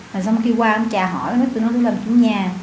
rồi xong khi qua ông trà hỏi tôi nói tôi làm chỗ nhà